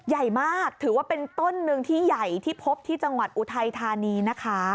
ใหญ่มากถือว่าเป็นต้นหนึ่งที่ใหญ่ที่พบที่จังหวัดอุทัยธานีนะคะ